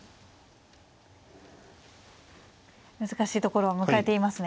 難しいところを迎えていますね。